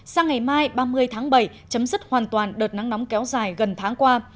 sang ngày mai ba mươi tháng bảy chấm dứt hoàn toàn đợt nắng nóng kéo dài gần tháng qua